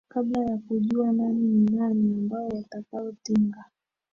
kabla ya kujua nani ni nani ambao watakao tinga